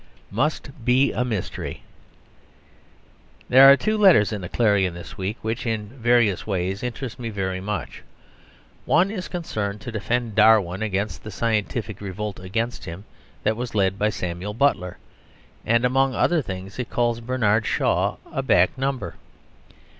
Must Be a Mystery There are two letters in the "Clarion" this week which in various ways interest me very much. One is concerned to defend Darwin against the scientific revolt against him that was led by Samuel Butler, and among other things it calls Bernard Shaw a back number.